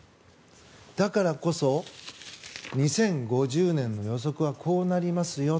だからこそ、２０５０年の予測はこうなりますよ。